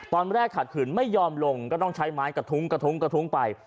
ตอนแรกขาดขึนไม่ยอมลงก็ต้องใช้ไม้กระทุ้งไป